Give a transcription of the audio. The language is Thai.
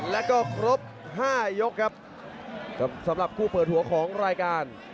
แล้วก็ครบ๕ยกครับสำหรับคู่เปิดหัวของรายการ